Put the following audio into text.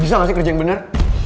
bisa gak sih kerja yang bener